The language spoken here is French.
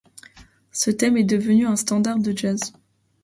Ce thème est devenu un standard de jazz.